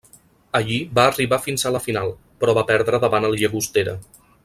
Allí va arribar fins a la final, però va perdre davant el Llagostera.